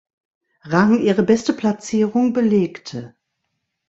Rang ihre beste Platzierung belegte.